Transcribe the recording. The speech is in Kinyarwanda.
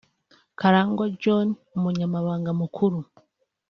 Karangwa John; Umunyamabanga Mukururu